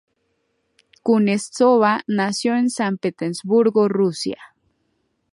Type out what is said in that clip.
Kuznetsova nació en San Petersburgo, Rusia.